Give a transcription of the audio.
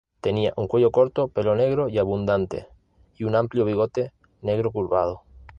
Tenía un cuello corto, pelo negro y abundante, y un amplio bigote negro curvado.